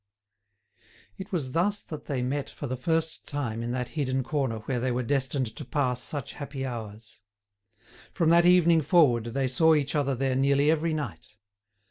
It was thus that they met for the first time in that hidden corner where they were destined to pass such happy hours. From that evening forward they saw each other there nearly every night.